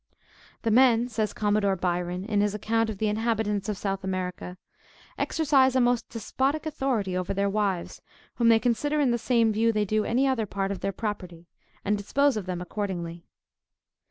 "The men," says Commodore Byron, in his account of the inhabitants of South America, "exercise a most despotic authority over their wives whom they consider in the same view they do any other part of their property, and dispose of them accordingly.